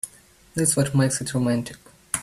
That's what makes it romantic.